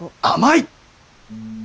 甘い！